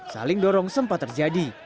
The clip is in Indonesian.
saling dorong sempat terjadi